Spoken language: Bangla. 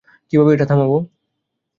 কীভাবে এটা থামাবো?